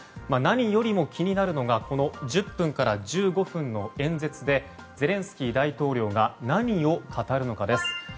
何よりも気になるのが１０分から１５分の演説でゼレンスキー大統領が何を語るのかです。